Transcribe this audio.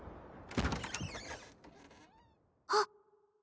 あっ！